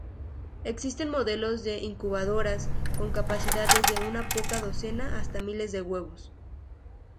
Existen modelos de incubadoras con capacidad desde unas pocas docenas hasta miles de huevos.